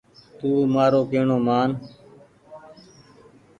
تو مآرو ڪيهڻو مان ۔